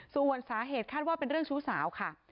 ส่วนสาเหตุคาดว่าเป็นเรื่องชู้สาวค่ะ